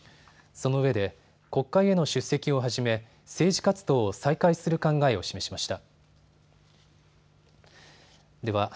そのうえで国会への出席をはじめ政治活動を再開する考えを示しました。